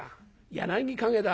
『柳陰』だ？